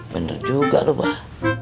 bener juga loh bah